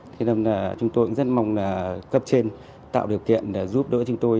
thế nên là chúng tôi rất mong là cấp trên tạo điều kiện giúp đỡ chúng tôi